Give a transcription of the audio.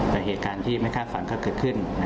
แต่เหตุการณ์ที่ไม่คาดฝันก็เกิดขึ้น